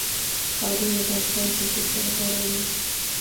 ښارونه د افغان کلتور سره تړاو لري.